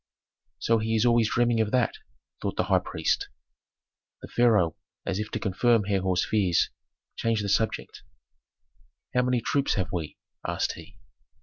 "So he is always dreaming of that?" thought the high priest. The pharaoh, as if to confirm Herhor's fears, changed the subject. "How many troops have we?" asked he.